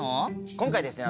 今回ですね